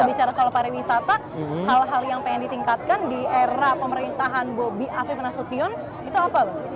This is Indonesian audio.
bicara soal pariwisata hal hal yang pengen ditingkatkan di era pemerintahan bobi afif nasution itu apa bu